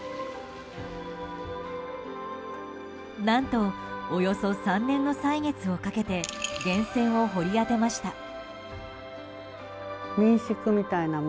何とおよそ３年の歳月をかけて源泉を掘り当てました。